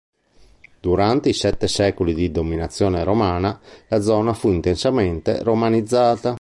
Durante i sette secoli di dominazione romana, la zona fu intensamente romanizzata.